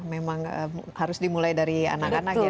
memang harus dimulai dari anak anak ya